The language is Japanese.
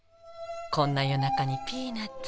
こんな夜中にピーナツ。